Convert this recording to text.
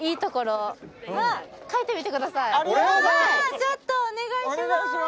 ちょっとお願いします